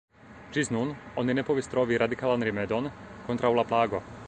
Ĝis nun oni ne povis trovi radikalan rimedon kontraŭ la plago.